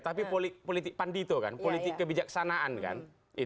tapi politik pandito kan politik kebijaksanaan kan